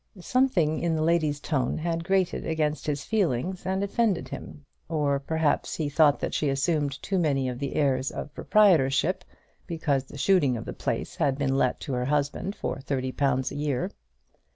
Something in the lady's tone had grated against his feelings and offended him; or perhaps he thought that she assumed too many of the airs of proprietorship because the shooting of the place had been let to her husband for thirty pounds a year.